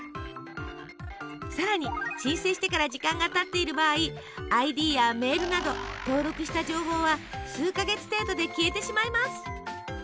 更に申請してから時間がたっている場合ＩＤやメールなど登録した情報は数か月程度で消えてしまいます。